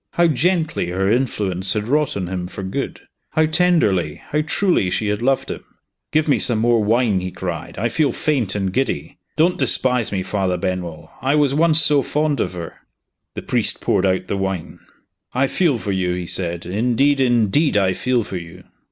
How gently her influence had wrought on him for good! how tenderly, how truly, she had loved him. "Give me some more wine!" he cried. "I feel faint and giddy. Don't despise me, Father Benwell I was once so fond of her!" The priest poured out the wine. "I feel for you," he said. "Indeed, indeed, I feel for you."